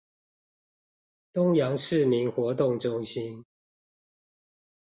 東陽市民活動中心